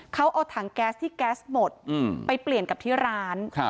เขาเอาถังแก๊สที่แก๊สหมดไปเปลี่ยนกับที่ร้าน